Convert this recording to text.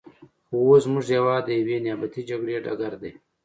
خو اوس زموږ هېواد د یوې نیابتي جګړې ډګر دی.